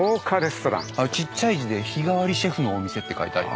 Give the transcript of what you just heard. ちっちゃい字で「日替わりシェフのお店」って書いてあります。